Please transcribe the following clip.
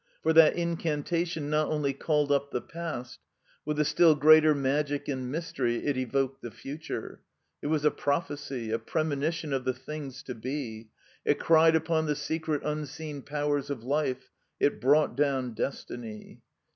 For that incantation not only called up the past; with a still greater magic and mystery it evoked the future. It was a prophecy, a premonition of the things to be. It cried uix>n the secret, unseen powers of life. It brought down destiny.